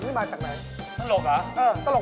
กลุ่มเรื่องไหนก่อน